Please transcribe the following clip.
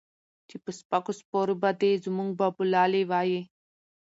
چې پۀ سپکو سپورو به دے زمونږ بابولالې وائي